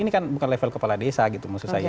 ini kan bukan level kepala desa gitu maksud saya